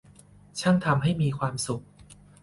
ช่างทำให้มีความสุข